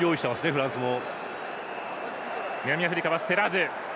フランスも。